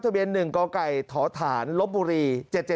ทะเบียน๑กถลบบุรี